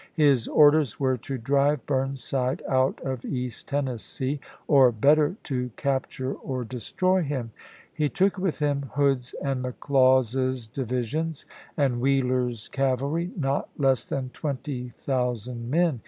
His orders were to " drive Burnside out of East Tennessee, or, better, to capture or destroy him." He took with him Hood's and McLaws's divisions and Wheeler's cavalry, not less than twenty thousand men.